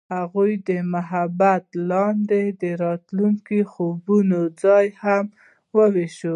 هغوی د محبت لاندې د راتلونکي خوبونه یوځای هم وویشل.